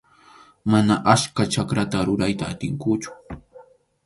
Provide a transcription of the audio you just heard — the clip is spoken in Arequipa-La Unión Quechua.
Mana achka chakrata rurayta atinkuchu.